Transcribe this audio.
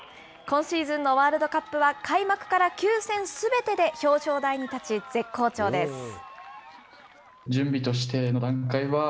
今シーズンのワールドカップは開幕から９戦すべてで表彰台に立ち、絶好調です。